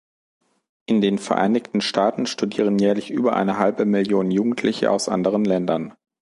In den Vereinigten Staaten studieren jährlich über eine halbe Million Jugendliche aus anderen Ländern.